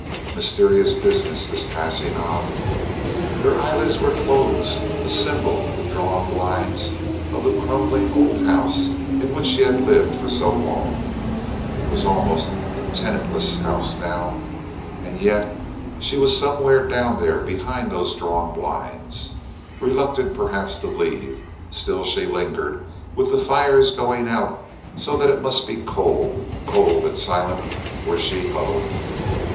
Mysterious business, this passing on. Her eyelids were closed, a symbol of drawn blinds of the crumbling old house in which she had lived for so long. It was almost a tenantless house now. And yet she was somewhere down there behind those drawn blinds. Reluctant perhaps to leave, still she lingered, with the fires going out so that it must be cold ... cold and silent where she huddled.